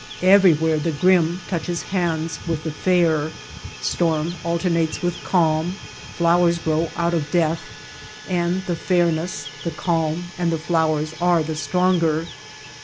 Everywhere the grim touches hands with the fair, storm alternates with calm, flowers grow out of death, and the fairness, the calm and the flowers are the stronger.